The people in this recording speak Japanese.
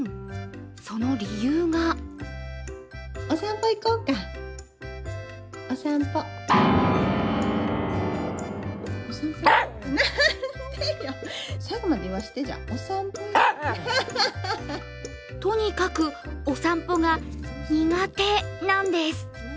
その理由がとにかく、お散歩が苦手なんです